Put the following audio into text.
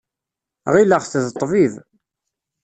Ɣileɣ-t d ṭṭbib.